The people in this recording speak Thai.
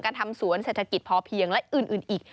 ทำสวนเศรษฐกิจพอเพียงและอื่นอีก